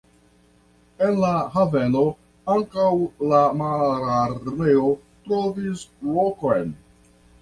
En la haveno ankaŭ la Mararmeo trovis lokon.